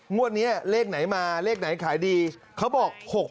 งวดนี้เลขไหนมาเลขไหนขายดีเขาบอก๖๖